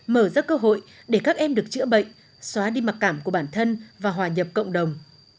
mở ra cơ hội để các em được chữa bệnh xóa đi mặc cảm của bản thân và hòa nhập cộng đồng